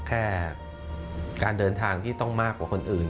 แค่การเดินทางที่ต้องมากกว่าคนอื่น